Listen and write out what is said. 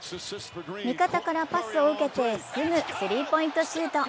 味方からパスを受けてすぐスリーポイントシュート。